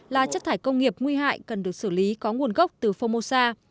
là chất thải công nghiệp nguy hại cần được xử lý có nguồn gốc từ phongmosa